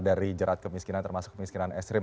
dari jerat kemiskinan termasuk kemiskinan ekstrim